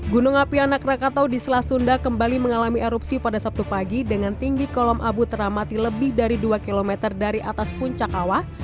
gunung api anak rakatau di selat sunda kembali mengalami erupsi pada sabtu pagi dengan tinggi kolom abu teramati lebih dari dua km dari atas puncak awah